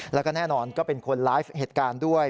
แล้วก็แน่นอนก็เป็นคนไลฟ์เหตุการณ์ด้วย